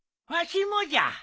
わしもじゃ。